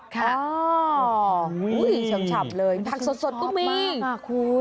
ค่ะอุ๊ยชมเลยผักสดต้องมีคุณชอบมาก